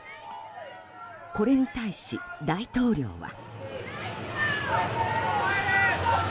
これに対し、大統領は。